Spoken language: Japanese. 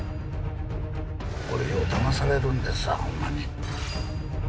俺ようだまされるんですわホンマに。